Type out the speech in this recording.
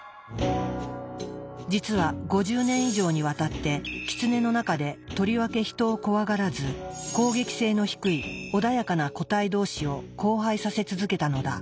実は５０年以上にわたってキツネの中でとりわけ人を怖がらず攻撃性の低い穏やかな個体同士を交配させ続けたのだ。